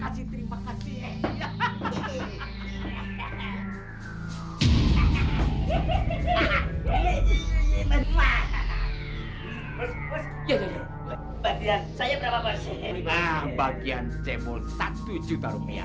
sebentar sebentar saya ambil tempatnya dulu ya